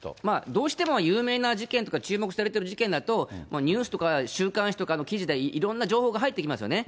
どうしても有名な注目されている事件だとニュースとか週刊誌とかの記事で、いろんな情報が入ってきますよね。